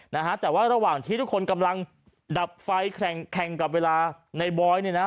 นะฮะแต่ว่าระหว่างที่ทุกคนกำลังดับไฟแข่งแข่งกับเวลาในบอยเนี่ยนะ